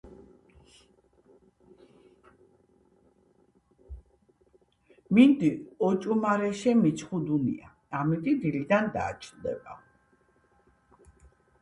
მინდი ოჭუმარეშე მერჩქინდუნია.„ამინდი დილიდან დააჩნდებაო“.